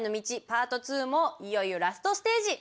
パート２もいよいよラストステージ！